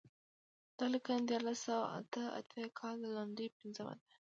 دا لیکنه د دیارلس سوه اته اتیا کال د لیندۍ پنځمه ده.